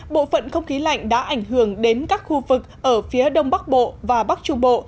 bộ phận không khí lạnh đã ảnh hưởng đến các khu vực ở phía đông bắc bộ và bắc trung bộ